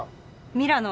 ミラノ。